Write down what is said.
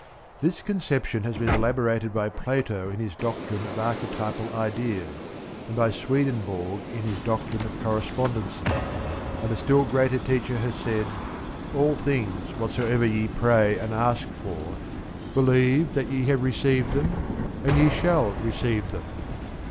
This conception has been elaborated by Plato in his doctrine of archetypal ideas, and by Swedenborg in his doctrine of correspondences; and a still greater teacher has said "All things whatsoever ye pray and ask for, believe that ye have received them, and ye shall receive them."